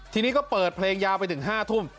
ทีนี้ก็เปิดเพลงยาวไปถึง๕ทุ่ม